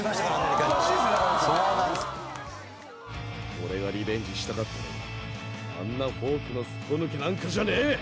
「俺がリベンジしたかったのはあんなフォークのすっぽ抜けなんかじゃねえ」